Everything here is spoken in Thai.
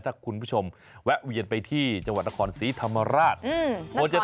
ถ้าคุณผู้ชมแวะเวียนไปที่จังหวัดนครศรีธรรมราช